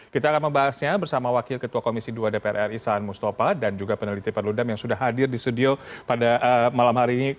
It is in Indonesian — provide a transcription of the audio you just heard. kita akan membahasnya bersama wakil ketua komisi dua dpr ri saan mustafa dan juga peneliti perludem yang sudah hadir di studio pada malam hari ini